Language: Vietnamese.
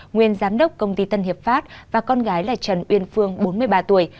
nguyên giám đốc công ty tân hiệp pháp và con gái là trần uyên phương bốn mươi ba tuổi